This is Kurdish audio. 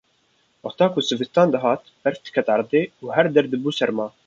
Wexta ku zivistan dihat berf diket erdê û her der dibû serma